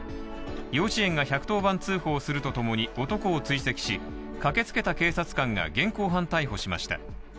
幼稚園が１１０番通報するとともに、男を追跡し、駆けつけた警察官が現行犯逮捕しました。